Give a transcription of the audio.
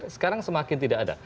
sekarang semakin tidak ada